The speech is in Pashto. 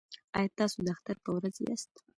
ایا تاسو د اختر په ورځ یاست؟